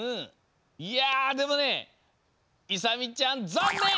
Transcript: いやでもねいさみちゃんざんねん！